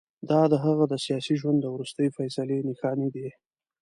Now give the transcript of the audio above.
دا د هغه د سیاسي ژوند د وروستۍ فیصلې نښانې دي.